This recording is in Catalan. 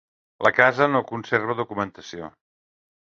La casa no conserva documentació.